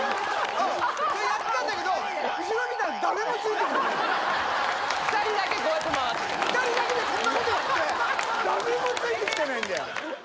それやってたんだけど後ろ見たら２人だけこうやって回ってた２人だけでこんなことやって誰もついてきてないんだよ